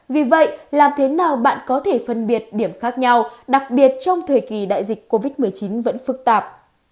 vì vậy làm thế nào bạn có thể phân biệt điểm khác nhau đặc biệt trong thời kỳ đại dịch covid một mươi chín vẫn phức tạp